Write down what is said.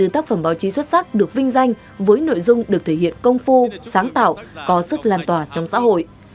năm mươi bốn tác phẩm báo chí xuất sắc được vinh danh với nội dung được thể hiện công phu sáng tạo có sức lan tòa trong xã hội